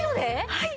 はい。